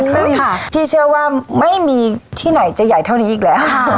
ซึ่งพี่เชื่อว่าไม่มีที่ไหนจะใหญ่เท่านี้อีกแล้ว